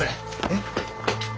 えっ。